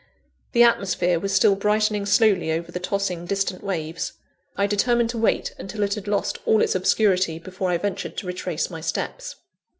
The atmosphere was still brightening slowly over the tossing, distant waves: I determined to wait until it had lost all its obscurity, before I ventured to retrace my steps.